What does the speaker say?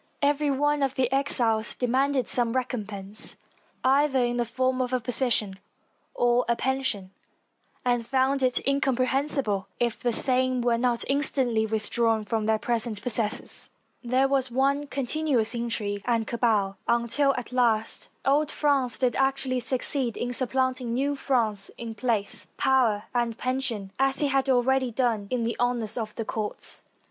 Every one of the exiles demanded some recompense, either in the form of a position or a pension, and found it incomprehensible if the same were not instantly withdrawn from their present possessors. There was one continuous intrigue and cabal until, at last, old France did actually succeed in supplanting new France in place, power, and pension, as it had already done in the honors of the courts.